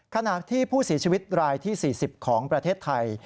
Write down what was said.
ขณะที่ผู้เสียชีวิตรายที่๔๐ของประเทศไทย